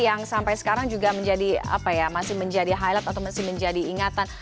yang sampai sekarang juga menjadi apa ya masih menjadi highlight atau masih menjadi ingatan